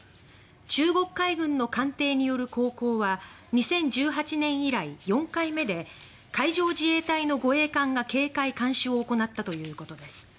中国海軍の艦艇による航行は２０１８年以来４回目で海上自衛隊の護衛艦が警戒監視を行ったということです